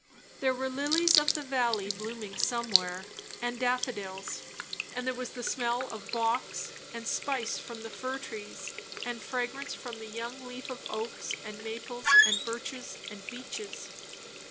There were lilies of the valley blooming somewhere, and daffodils; and there was the smell of box, and spice from the fir trees, and fragrance from the young leaf of oaks and maples and birches and beeches.